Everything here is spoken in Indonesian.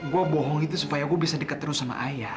gue bohong itu supaya aku bisa dekat terus sama ayah